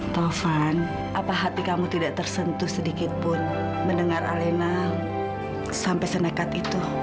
taufan apa hati kamu tidak tersentuh sedikitpun mendengar alena sampai senekat itu